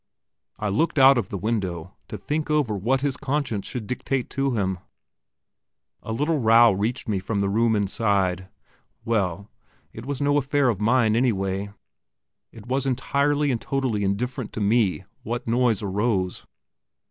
I looked out of the window to think over what his conscience should dictate to him. A little row reached me from the room inside. Well, it was no affair of mine anyway; it was entirely and totally indifferent to me what noise arose.